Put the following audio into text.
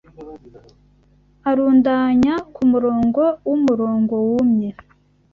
arundanya, kumurongo wumurongo wumye